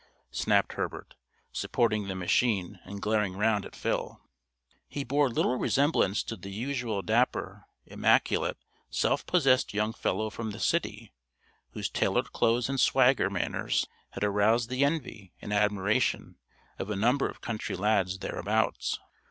snapped Herbert, supporting the machine and glaring round at Phil. He bore little resemblance to the usual dapper, immaculate, self possessed young fellow from the city whose tailored clothes and swagger manners had aroused the envy and admiration of a number of country lads thereabouts.